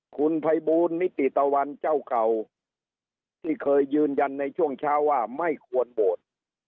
คุณภัยบูลนิติตะวันเจ้าเก่าที่เคยยืนยันในช่วงเช้าว่าไม่ควรโหวต